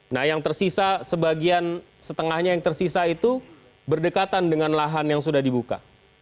nah yang tersisa sebagian setengahnya yang tersisa itu berdekatan dengan lahan yang sudah dibuka